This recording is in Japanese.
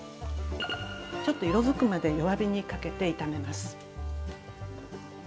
ちょっと色づくまで弱火にかけて炒めます。